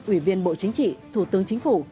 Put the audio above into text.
ủy viên bộ chính trị thủ tướng chính phủ